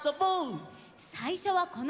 さいしょはこのうた！